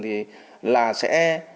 thì là sẽ